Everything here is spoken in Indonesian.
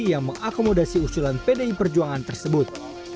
yang mengakomodasi usulan pdi perjuangan tersebut